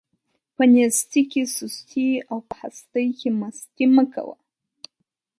په نيستۍ کې سستي او په هستۍ کې مستي مه کوه.